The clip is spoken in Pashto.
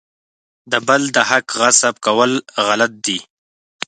د بل د حق غصب کول غلط دي.